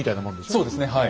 そうですねはい。